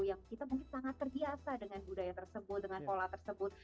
yang kita mungkin sangat terbiasa dengan budaya tersebut dengan pola tersebut